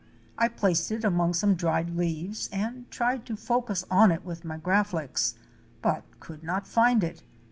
I placed it among some dried leaves and tried to focus on it with my Graflex, but could not find it.